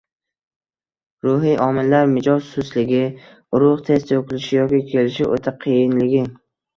Ruhiy omillar: mijoz sustligi, urug‘ tez to‘kilishi yoki kelishi o‘ta qiyinligi.